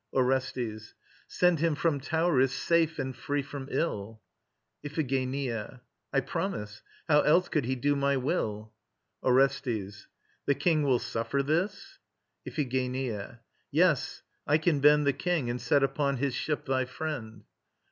ORESTES. Send him from Tauris safe and free from ill. IPHIGENIA. I promise. How else could he do my will? ORESTES. The King will suffer this? IPHIGENIA. Yes: I can bend The King, and set upon his ship thy friend.